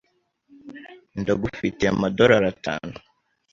Ndagufitiye amadorari atanu.